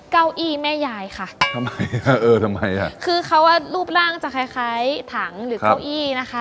เก้าอี้แม่ยายค่ะทำไมเออทำไมอ่ะคือเขาอ่ะรูปร่างจะคล้ายคล้ายถังหรือเก้าอี้นะคะ